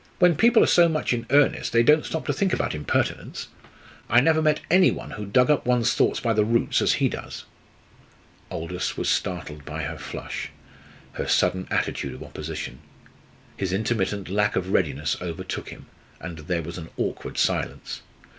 "When people are so much in earnest they don't stop to think about impertinence! I never met any one who dug up one's thoughts by the roots as he does." Aldous was startled by her flush, her sudden attitude of opposition. His intermittent lack of readiness overtook him, and there was an awkward silence.